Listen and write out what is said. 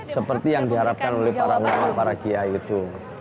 seperti yang diharapkan oleh para nama para kiai itu